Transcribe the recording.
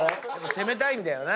攻めたいんだよな